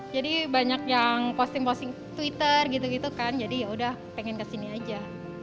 jadi banyak yang posting posting twitter gitu gitu kan jadi yaudah pengen kesini aja